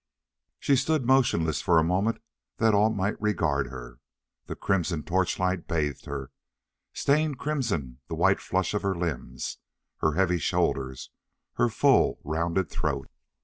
She stood motionless for a moment that all might regard her. The crimson torchlight bathed her, stained crimson the white flush of her limbs, her heavy shoulders, her full, rounded throat.